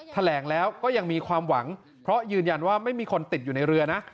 แถลงแล้วก็ยังมีความหวังเพราะยืนยันว่าไม่มีคนติดอยู่ในเรือนะ